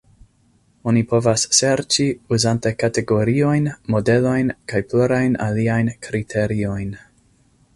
Oni povas serĉi, uzante kategoriojn, modelojn kaj plurajn aliajn kriteriojn.